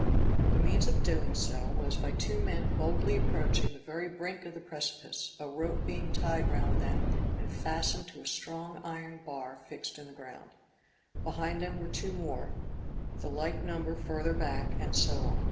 The means of doing so, was by two men boldly approaching the very brink of the precipice, a rope being tied round them and fastened to a strong iron bar fixed in the ground; behind them were two more, the like number further back and so on.